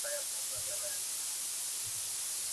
سپورتي کلپونه چيري دي؟